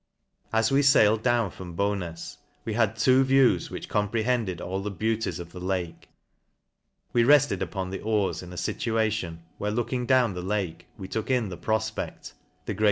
As we failed down from Bownas, we. had two views which comprehended all the beauties of the Jake ; we refted upon the oars in a fituation, where looking down the lake, we took into the profpect the greater!